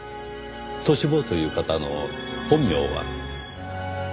トシ坊という方の本名は？